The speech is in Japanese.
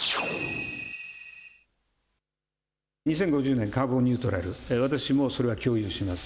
２０５０年カーボンニュートラル、私もそれは共有します。